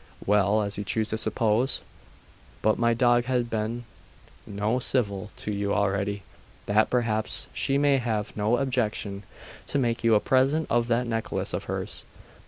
'Well, as you choose to suppose. But my dog has been so civil to you already, that perhaps she may have no objection to make you a present of that necklace of hers.